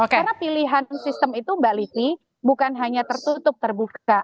karena pilihan sistem itu mbak livia bukan hanya tertutup terbuka